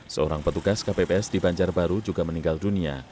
seorang petugas kpps di banjarbaru juga meninggal dunia